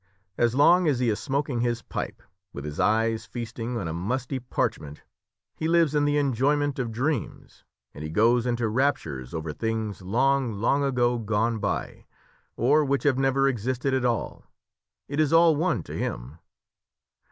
As long as he is smoking his pipe, with his eyes feasting on a musty parchment, he lives in the enjoyment of dreams, and he goes into raptures over things long, long ago gone by, or which have never existed at all; it is all one to him.